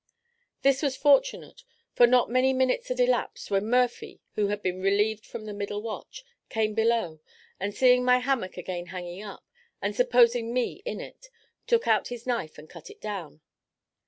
This was fortunate; for not many minutes had elapsed, when Murphy, who had been relieved from the middle watch, came below, and seeing my hammock again hanging up, and supposing me in it, took out his knife and cut it down.